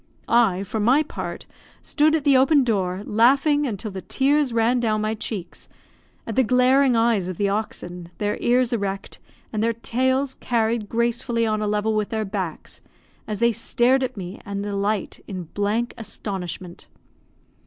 I, for my part, stood at the open door, laughing until the tears ran down my cheeks, at the glaring eyes of the oxen, their ears erect, and their tails carried gracefully on a level with their backs, as they stared at me and the light, in blank astonishment.